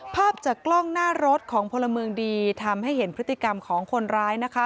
ภาพจากกล้องหน้ารถของพลเมืองดีทำให้เห็นพฤติกรรมของคนร้ายนะคะ